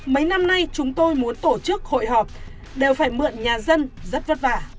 mấy năm nay chúng tôi muốn tổ chức hội họp đều phải mượn nhà dân rất vất vả